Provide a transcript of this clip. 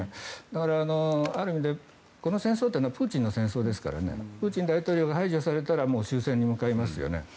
だからある意味でこの戦争はプーチンの戦争ですからプーチン大統領が排除されたら終戦に向かいますよね。